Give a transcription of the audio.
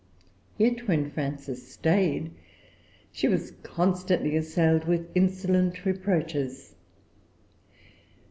Yet, when Frances stayed, she was constantly assailed with insolent reproaches.